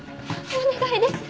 お願いです